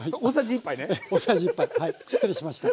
はい失礼しました。